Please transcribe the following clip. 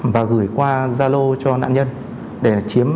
và gửi qua gia lô cho nạn nhân